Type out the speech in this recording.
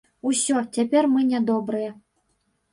Усё, цяпер мы нядобрыя.